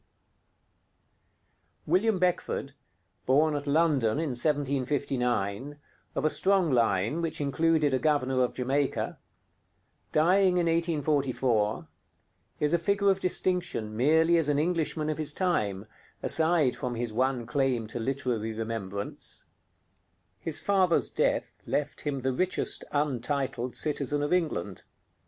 [Illustration: WILLIAM BECKFORD] William Beckford, born at London in 1759 (of a strong line which included a governor of Jamaica), dying in 1844, is a figure of distinction merely as an Englishman of his time, aside from his one claim to literary remembrance. His father's death left him the richest untitled citizen of England.